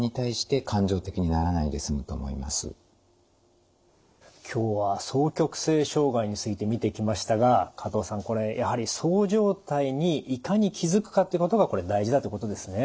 そうすれば今日は双極性障害について見てきましたが加藤さんこれやはりそう状態にいかに気付くかってことがこれ大事だってことですね。